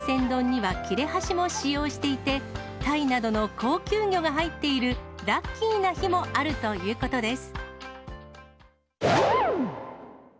ちなみに、海鮮丼には切れ端も使用していて、タイなどの高級魚が入っているラッキーな日もあるということです。